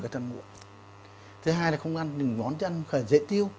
thứ hai là không ăn những món thức ăn dễ tiêu